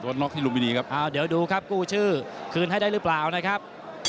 น็อกที่ลุมพินีครับอ้าวเดี๋ยวดูครับกู้ชื่อคืนให้ได้หรือเปล่านะครับ